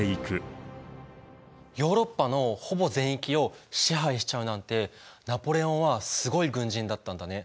ヨーロッパのほぼ全域を支配しちゃうなんてナポレオンはすごい軍人だったんだね。